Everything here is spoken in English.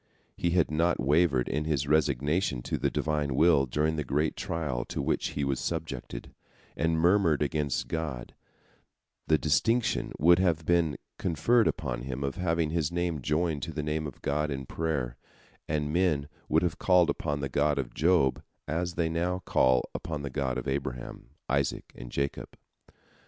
Had he not wavered in his resignation to the Divine will during the great trial to which he was subjected, and murmured against God, the distinction would have been conferred upon him of having his name joined to the Name of God in prayer, and men would have called upon the God of Job as they now call upon the God of Abraham, Isaac, and Jacob.